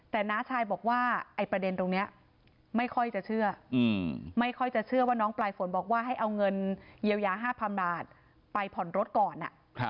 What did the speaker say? แต่น้าชายบอกว่าไอ้ประเด็นตรงนี้ไม่ค่อยจะเชื่อไม่ค่อยจะเชื่อว่าน้องปลายฝนบอกว่าให้เอาเงินเยียวยา๕๐๐๐บาทไปผ่อนรถก่อน